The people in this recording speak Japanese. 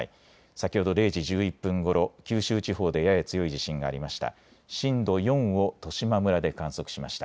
先ほど０時１１分ごろ、九州地方でやや強い地震がありました。